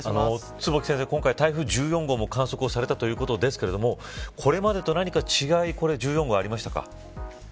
坪木先生、今回台風１４号も観測されたということですがこれまでと何か違いこれ、１４号ありましたか。